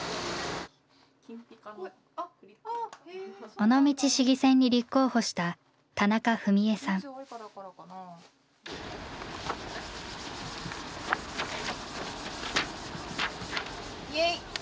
尾道市議選に立候補したイェイ！